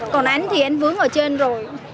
còn anh thì anh vướng ở trên rồi